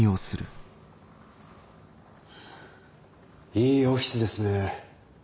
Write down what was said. いいオフィスですね。